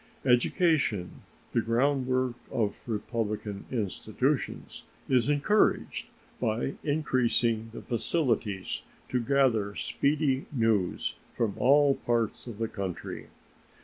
Education, the groundwork of republican institutions, is encouraged by increasing the facilities to gather speedy news from all parts of the country.